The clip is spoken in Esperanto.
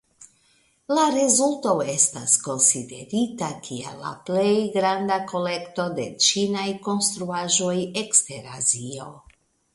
La rezulto estas konsiderita kiel la plej granda kolekto de ĉinaj konstruaĵoj ekster Azio.